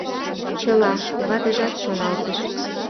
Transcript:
«Чыла, — ватыжат шоналтыш.